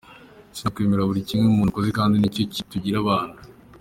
Sinakwemera buri kimwe umuntu akoze kandi nicyo kitugira abantu.